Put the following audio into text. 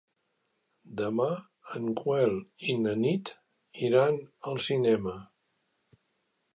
Demà en Quel i na Nit iran al cinema.